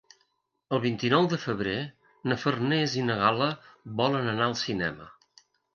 El vint-i-nou de febrer na Farners i na Gal·la volen anar al cinema.